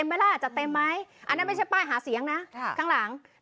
มึงงาบนี่เห็นไหม